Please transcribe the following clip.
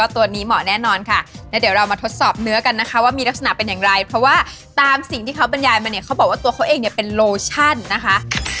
ทดสอบเนื้อกันนะคะว่ามีลักษณะเป็นอย่างไรเพราะว่าตามสิ่งที่เขาบรรยายมาเนี่ยเขาบอกว่าตัวเขาเองเนี่ยเป็นโลชั่นนะคะ